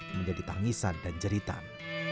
menjadi tangisan dan jeritan